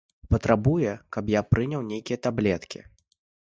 Патрабуе, каб я прыняў нейкія таблеткі!